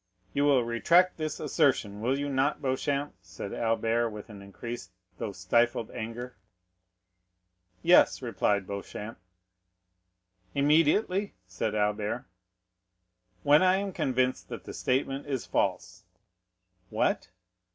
"You will retract this assertion, will you not, Beauchamp?" said Albert with increased though stifled anger. "Yes," replied Beauchamp. "Immediately?" said Albert. "When I am convinced that the statement is false." "What?"